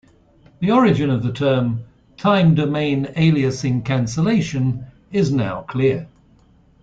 The origin of the term "time-domain aliasing cancellation" is now clear.